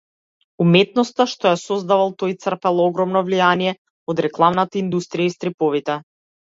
Уметноста што ја создавал тој црпела огромно влијание од рекламната индустрија и стриповите.